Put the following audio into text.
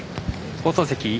放送席